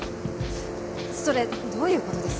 それどういう事です？